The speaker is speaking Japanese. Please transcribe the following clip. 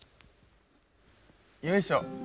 よいしょ。